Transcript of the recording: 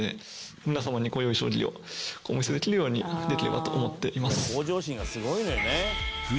皆様に良い将棋をお見せできるようにできればと思っています。